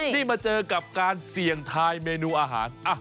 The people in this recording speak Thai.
นี่มาเจอกับการเสี่ยงทายเมนูอาหาร